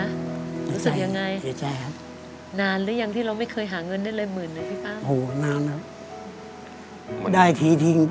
รู้สึกยังไงนานหรือยังที่เราไม่เคยหาเงินได้เลยหมื่นนะพี่ป้า